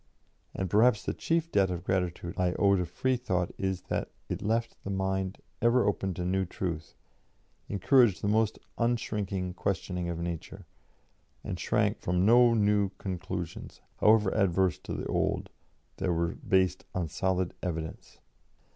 And perhaps the chief debt of gratitude I owe to Freethought is that it left the mind ever open to new truth, encouraged the most unshrinking questioning of Nature, and shrank from no new conclusions, however adverse to the old, that were based on solid evidence.